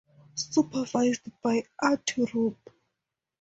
Supervised by Art Rupe.